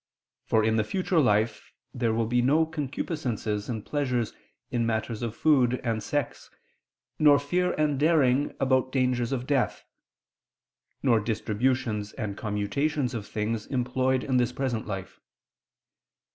For in the future life there will be no concupiscences and pleasures in matters of food and sex; nor fear and daring about dangers of death; nor distributions and commutations of things employed in this present life.